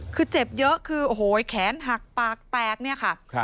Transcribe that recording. คือเจ็บเยอะคือโอ้โหแขนหักปากแตกเนี่ยค่ะ